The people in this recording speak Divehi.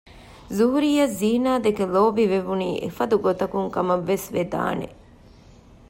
ޒުހުރީއަށް ޒީނާދެކެ ލޯބިވެވުނީ އެފަދަގަތަކުން ކަމަށްވެސް ވެދާނެ